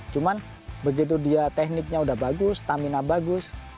cuman begitu dia tekniknya udah bagus stamina bagus